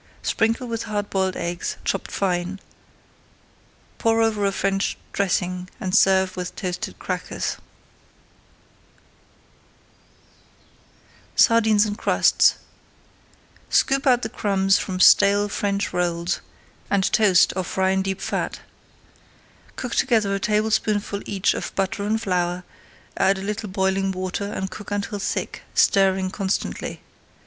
Sprinkle with hard boiled eggs, chopped fine, pour over a French dressing and serve with toasted crackers. SARDINES IN CRUSTS Scoop out the crumbs from stale French rolls and toast or fry in deep fat. Cook together a tablespoonful each of butter and flour, add a little boiling water, and cook until thick, stirring constantly.